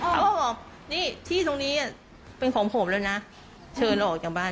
เขาบอกนี่ที่ตรงนี้เป็นของผมเลยนะเชิญเราออกจากบ้าน